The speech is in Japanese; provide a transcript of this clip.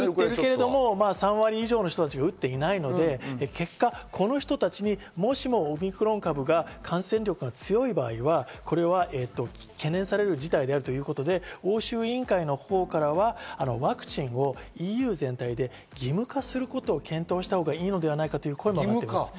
でも３割以上の人が打っていないので結果、この人たちにもしもオミクロン株が感染力が強い場合は懸念される事態であるということで欧州委員会のほうからはワクチンをＥＵ全体で義務化することを検討したほうがいいのではないかという声も出ています。